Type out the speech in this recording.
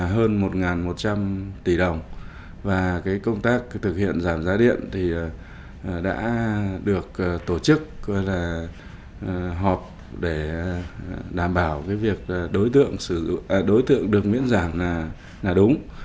hơn một một trăm linh tỷ đồng và công tác thực hiện giảm giá điện đã được tổ chức hoặc đảm bảo với việc đối tượng được miễn giảm là đúng